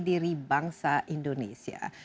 diri bangsa indonesia